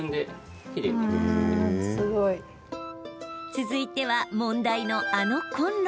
続いては、問題のあのコンロ。